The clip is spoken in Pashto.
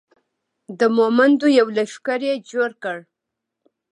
د مومندو یو لښکر یې جوړ کړ.